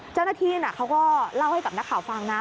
เจ้าหน้าที่เขาก็เล่าให้กับนักข่าวฟังนะ